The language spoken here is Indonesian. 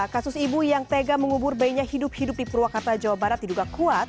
kasus ibu yang tega mengubur bayinya hidup hidup di purwakarta jawa barat diduga kuat